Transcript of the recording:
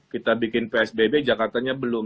kita bikin psbb jakartanya belum